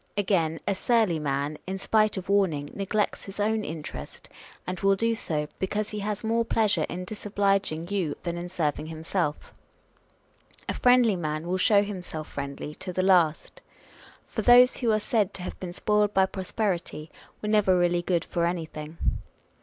Again, a surly man, in spite of wrarning, neglects his own interest, and will do so, because he has more pleasure in dis obliging you than in serving himself. " A friendly man will show himself friendly " to the last ; for those who are said to have been spoiled by prosperity were never really good for anything.